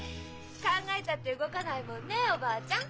考えたって動かないもんねえおばあちゃん？